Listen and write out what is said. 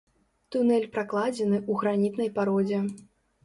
Тунэль пракладзены ў гранітнай пародзе.